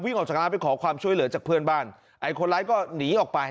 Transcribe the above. ออกจากร้านไปขอความช่วยเหลือจากเพื่อนบ้านไอ้คนร้ายก็หนีออกไป